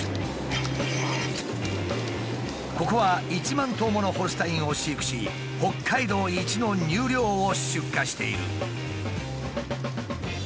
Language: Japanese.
ここは１万頭ものホルスタインを飼育し北海道一の乳量を出荷している。